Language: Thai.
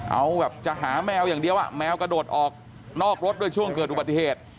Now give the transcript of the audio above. เอาแบบจะหาแมวอย่างเดียวอ่ะแมวกระโดดออกนอกรถด้วยช่วงเกิดอุบัติเหตุ